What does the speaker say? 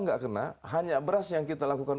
nggak kena hanya beras yang kita lakukan